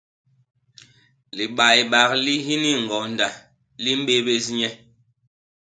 Libaybak li hini hiñgonda li mbébés nye.